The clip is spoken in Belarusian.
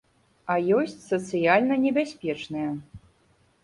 А ёсць сацыяльна небяспечныя.